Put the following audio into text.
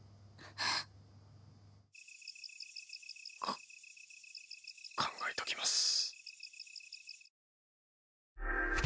んっ。か考えときます。